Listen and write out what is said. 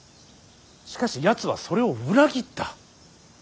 しかしやつはそれを裏切った。